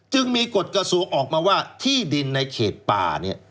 จึงมีกฎกระทรวงออกมาว่าที่ดินในเขตป่าเนี่ย